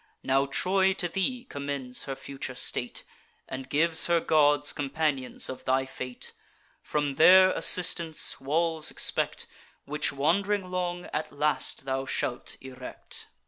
Now Troy to thee commends her future state, And gives her gods companions of thy fate: From their assistance walls expect, Which, wand'ring long, at last thou shalt erect.